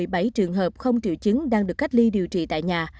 và một trường hợp không triệu chứng đang được cách ly điều trị tại nhà